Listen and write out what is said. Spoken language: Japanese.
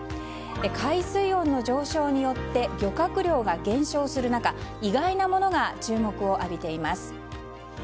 海水温の上昇によって漁獲量が減少する中意外なものが注目を浴びています。